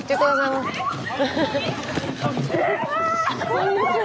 こんにちは。